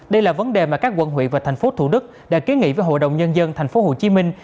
đây là vấn đề mà các quận huyện và thành phố thủ đức đã ký nghị với hội đồng nhân dân thành phố hồ chí minh